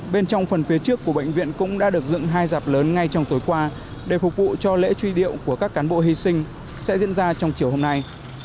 bên trong phần phía trước của bệnh viện cũng đã được dựng hai dạp lớn ngay trong tối qua để phục vụ cho lễ truy điệu của các cán bộ hy sinh sẽ diễn ra trong chiều hôm nay